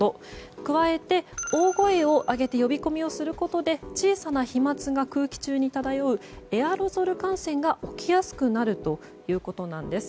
加えて、大声を上げて呼び込みをすることで小さな飛沫が空気中に漂うエアロゾル感染が起きやすくなるということなんです。